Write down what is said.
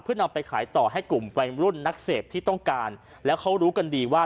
เพื่อนำไปขายต่อให้กลุ่มวัยรุ่นนักเสพที่ต้องการแล้วเขารู้กันดีว่า